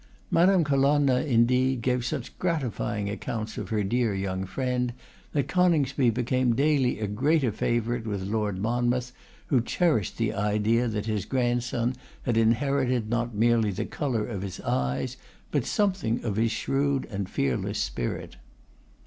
Madame Colonna, indeed, gave such gratifying accounts of her dear young friend, that Coningsby became daily a greater favourite with Lord Monmouth, who cherished the idea that his grandson had inherited not merely the colour of his eyes, but something of his shrewd and fearless spirit.